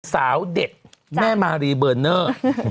สาวเด็กแม่มารีเบอร์เนอร์